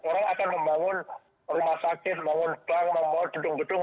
orang akan membangun rumah sakit membangun bank membangun gedung gedung